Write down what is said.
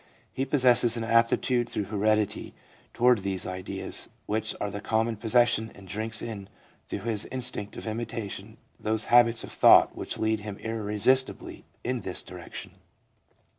He possesses an aptitude through heredity towards these ideas which are the common possession, and drinks in through his instinct of imitation those habits of thought which lead him irresistibly in this direction.